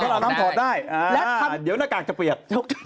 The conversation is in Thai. อาบน้ำถอดได้และเดี๋ยวหน้ากากจะเปียก